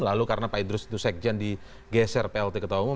lalu karena pak idrus itu sekjen digeser plt ketua umum